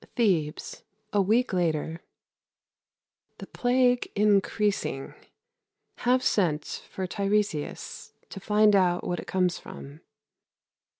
Thebes, a week later. The plague increasing. Have sent for Tiresias to find out what it comes from.